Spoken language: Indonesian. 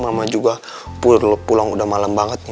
mama juga pulang udah malem banget nih